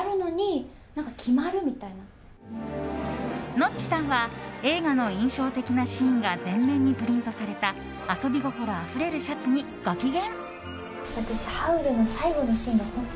のっちさんは映画の印象的なシーンが全面にプリントされた遊び心あふれるシャツにご機嫌。